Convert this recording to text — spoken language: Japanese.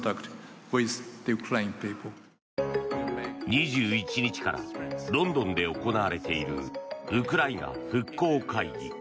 ２１日からロンドンで行われているウクライナ復興会議。